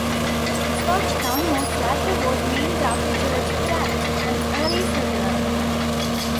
Georgetown most likely was named after George Pratt, an early settler.